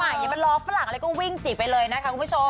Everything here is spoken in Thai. ในยุคใหม่ง่ายังไปล้อกฝรั่งอะไรก็วิ่งจิบไปเลยนะครับคุณผู้ชม